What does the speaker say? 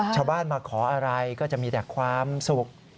ชาวบ้านมาขออะไรก็จะมีแต่ความสุข